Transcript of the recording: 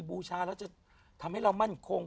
บูชาแล้วจะทำให้เรามั่นคง